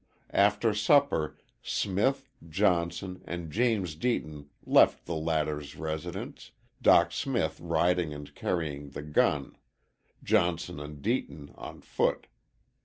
After supper Smith, Johnson and James Deaton left the latter's residence, Dock Smith riding and carrying the gun, Johnson and Deaton on foot.